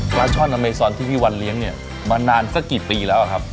ปลาช่อนอเมซอนที่พี่วันเลี้ยงเนี่ยมานานสักกี่ปีแล้วครับ